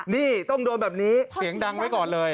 นี่ต้องโดนแบบนี้เสียงดังไว้ก่อนเลย